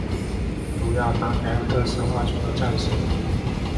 努亚达凯尔特神话中的战神。